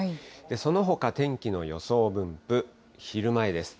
そのほか、天気の予想分布、昼前です。